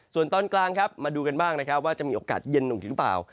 ส่วนตอนกลางครับมาดูกันบ้างนะครับว่าจะมีโอกาสเย็นลงอีกหรือเปล่า